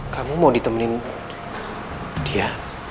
kamu mau ditemenin dia